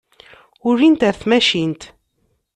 Ulint ɣer tmacint.